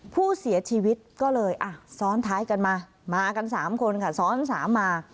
ผู้เสียชีวิตก็เลยอ่ะซ้อนท้ายกันมามากัน๓คนค่ะซ้อนสามมา